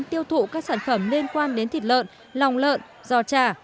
tiêu thụ các sản phẩm liên quan đến thịt lợn lòng lợn giò trà